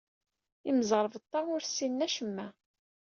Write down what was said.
Imẓerbeḍḍa ur ssinen acemma.